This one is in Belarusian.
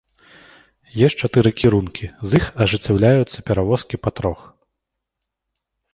Ёсць чатыры кірункі, з іх ажыццяўляюцца перавозкі па трох.